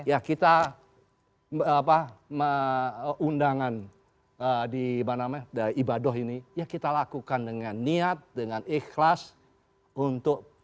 ya kita undangan di ibadah ini ya kita lakukan dengan niat dengan ikhlas untuk